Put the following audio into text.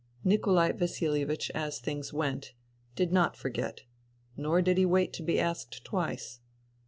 ..." Nikolai VasiHevich, as things went, did not for get ; nor did he wait to be asked twice.